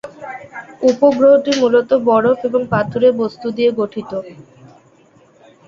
উপগ্রহটি মূলত বরফ এবং পাথুরে বস্তু দিয়ে গঠিত।